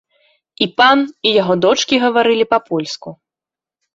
І пан, і яго дочкі гаварылі па-польску.